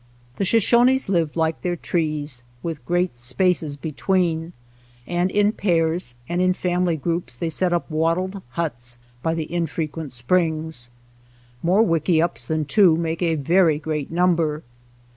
The Shoshones live like their trees, with great spaces between, and in pairs and in family 'groups they set up wattled huts by the in frequent springs. More wickiups than two make a very great number.